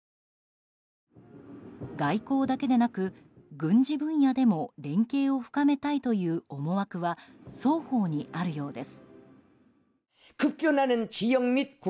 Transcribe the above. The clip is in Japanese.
外交だけでなく軍事分野でも連携を深めたいという思惑は双方にあるようです。